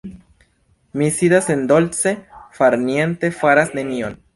Mi sidas en dolce farniente, faras nenion.